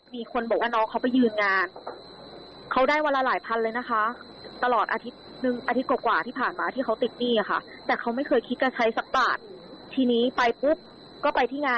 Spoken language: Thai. คิดว่าเจ้าน้องเขาไม่ยอมคุยส่วนตัวค่ะเรามาเจอในห้องน้ำ